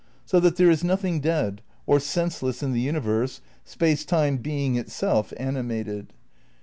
so that there is nothing dead, or senseless in the universe, Space Time being itself animated."